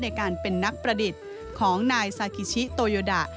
ในการเป็นนักประดิษฐ์ของนายซากิชิโตโยดะ